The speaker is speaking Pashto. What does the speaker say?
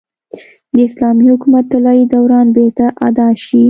د اسلامي حکومت طلايي دوران بېرته اعاده شي.